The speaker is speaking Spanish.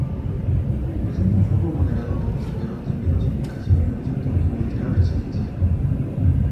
Presenta un flujo moderado de pasajeros, debido a su ubicación en un sector industrial-residencial.